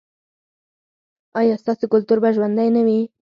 ایا ستاسو کلتور به ژوندی نه وي؟